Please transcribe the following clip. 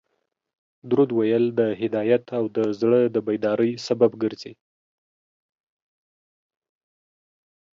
درود ویل د هدایت او د زړه د بیداري سبب ګرځي